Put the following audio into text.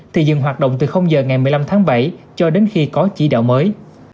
thì dừng hoạt động từ giờ ngày một mươi năm tháng bảy cho đến khi có chỉ đạo mới